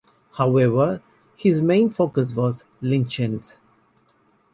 However, his main focus was lichens.